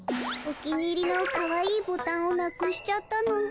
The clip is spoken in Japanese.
お気に入りのかわいいボタンをなくしちゃったの。